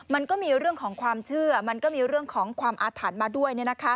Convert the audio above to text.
มันก็มีเรื่องของความเชื่อมันก็มีเรื่องของความอาถรรพ์มาด้วย